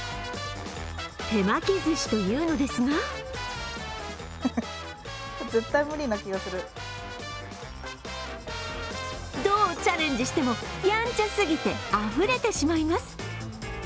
手巻き寿司というのですがどうチャレンジしてもやんちゃすぎてあふれてしまいます。